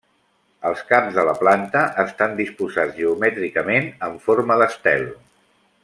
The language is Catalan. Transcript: Els caps de la planta estan disposats geomètricament en forma d'estel.